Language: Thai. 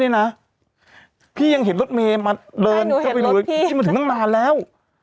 นี้นะพี่ยังเห็นรถเม้มาเดินคือมาถึงตั้งนานแล้ว